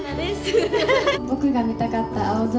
「僕が見たかった青空」。